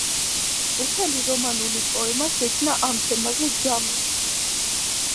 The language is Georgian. ვრცელი რომანული პოემა შექმნა ამ თემაზე ჯამიმ.